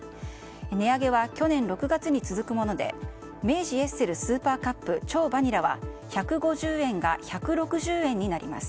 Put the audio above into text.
値上げは去年６月に続くもので明治エッセルスーパーカップ超バニラは１５０円が１６０円になります。